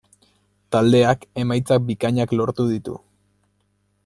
Taldeak emaitzak bikainak lortu ditu.